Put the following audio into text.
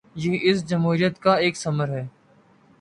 یہ اس جمہوریت کا ایک ثمر ہے۔